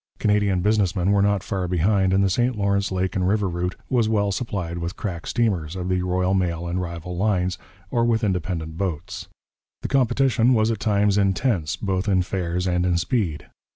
Canadian business men were not far behind, and the St Lawrence lake and river route was well supplied with crack steamers, of the Royal Mail and rival lines, or with independent boats. The competition was at times intense, both in fares and in speed.